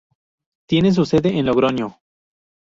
Tiene su sede en Logroño.